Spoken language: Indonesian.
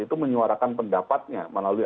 itu menyuarakan pendapatnya melalui